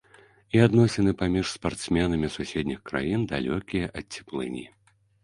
І адносіны паміж спартсменамі суседніх краін далёкія ад цеплыні.